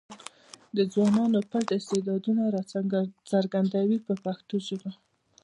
د ځوانانو پټ استعدادونه راڅرګندوي په پښتو ژبه.